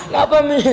nggak apa mi